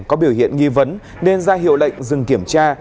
có biểu hiện nghi vấn nên ra hiệu lệnh dừng kiểm tra